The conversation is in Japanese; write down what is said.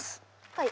はい。